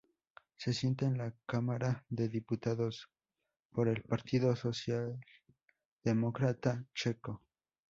Se sienta en la Cámara de Diputados por el Partido Socialdemócrata Checo.